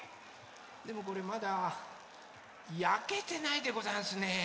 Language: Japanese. でもこれまだやけてないでござんすね。